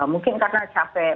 mungkin karena capek